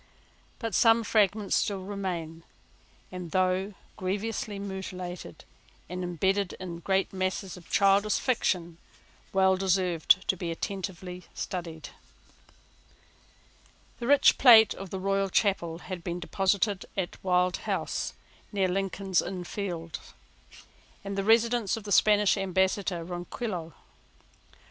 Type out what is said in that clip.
But some fragments still remain, and, though grievously mutilated, and imbedded in great masses of childish fiction, well deserve to be attentively studied. The rich plate of the Chapel Royal had been deposited at Wild House, near Lincoln's Inn Fields, the residence of the Spanish ambassador Ronquillo.